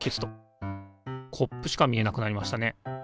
コップしか見えなくなりましたね。